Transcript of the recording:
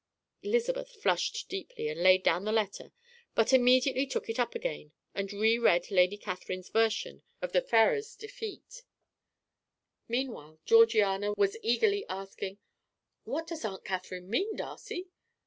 Elizabeth flushed deeply and laid down the letter, but immediately took it up again and re read Lady Catherine's version of the Ferrars's defeat. Meanwhile Georgiana was eagerly asking: "What does Aunt Catherine mean, Darcy?